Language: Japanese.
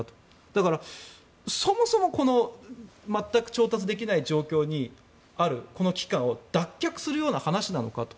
だから、そもそも全く調達できない状況にあるこの危機感を脱却するような話なのかと。